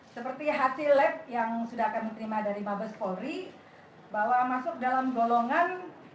seperti hasil lab yang sudah kami terima dari mabes polri bahwa masuk dalam golongan